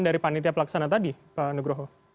dari panitia pelaksana tadi pak nugroho